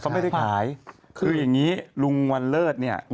เขาไม่ได้ขายคืออย่างนี้ลุงวันเลิศเนี่ย